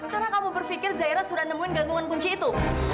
karena kamu berpikir zaira sudah nemuin gantungan kunci itu